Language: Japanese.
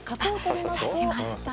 指しました。